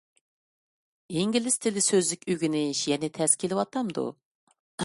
ئىنگلىز تىلى سۆزلۈك ئۆگىنىش يەنە تەس كېلىۋاتامدۇ؟